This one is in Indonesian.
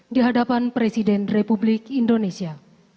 dihadapan presiden republik indonesia